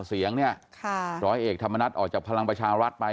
เสียงเนี่ยร้อยเอกธรรมนัฐออกจากพลังประชารัฐไป